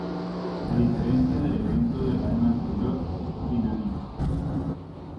A diferencia del evento del año anterior, Dynamite!!